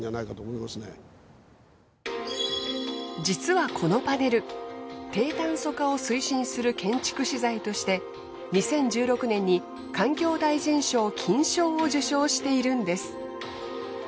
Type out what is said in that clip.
実はこのパネル低炭素化を推進する建築資材として２０１６年に環境大臣賞金賞を受賞しているんです。